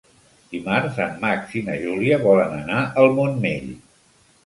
Dimarts en Max i na Júlia volen anar al Montmell.